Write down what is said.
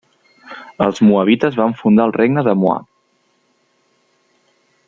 Els moabites van fundar el Regne de Moab.